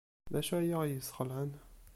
D acu ay aɣ-yesxelɛen?